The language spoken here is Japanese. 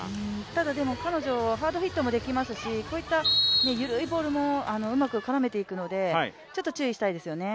ただ、でも彼女はハードヒットもできますし、こういった緩いボールもうまく絡めていくのでちょっと注意したいですよね。